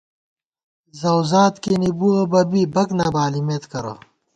زَؤزاد کېنے بوَہ بہ بی بَک نہ بالِمېت کرہ